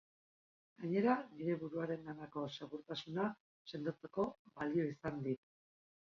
Gainera, nire buruarenganako segurtasuna sendotzeko balio izan dit.